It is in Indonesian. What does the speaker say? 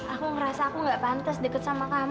aku tuh harus berapa kali ya sat bilang sama kamu